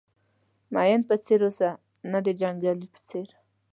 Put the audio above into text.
د مین په څېر اوسه نه د یو جنګیالي.